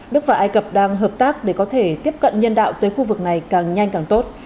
đức và ai cập đang hợp tác để có thể tiếp cận nhân đạo tới khu vực này càng nhanh càng tốt